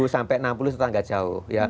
lima puluh sampai enam puluh tetangga jauh